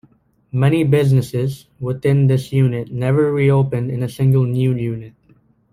Many businesses within this unit never re-opened in a new single unit.